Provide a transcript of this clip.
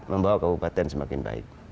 membawa kebupatan semakin baik